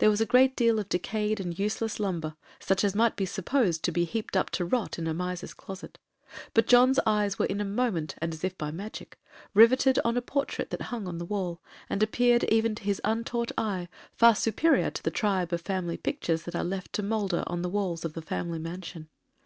There was a great deal of decayed and useless lumber, such as might be supposed to be heaped up to rot in a miser's closet; but John's eyes were in a moment, and as if by magic, rivetted on a portrait that hung on the wall, and appeared, even to his untaught eye, far superior to the tribe of family pictures that are left to moulder on the walls of a family mansion.